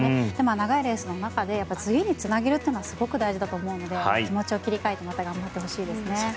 長いレースの中で次につなげるというのはすごく大事だと思うので気持ちを切り替えてまた頑張ってほしいと思いますね。